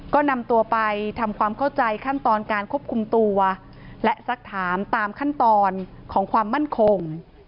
ก็นำตัวไปทำความเข้าใจขั้นตอนการควบคุมตัวและสักถามตามขั้นตอนของความมั่นคง